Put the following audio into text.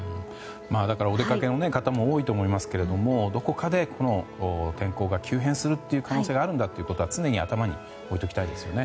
お出かけの方も多いと思いますがどこかで天候が急変する可能性があるんだということは常に頭に置いておきたいですね。